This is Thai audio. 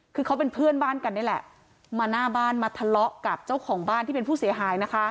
คือเขาเป็นเพื่อนบ้านกันนี่แหละมาหน้าบ้านมาทะเลาะกับเจ้าของบ้านที่เป็นผู้เสียหายนะคะ